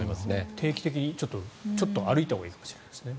定期的にちょっと歩いたほうがいいかもしれないですね。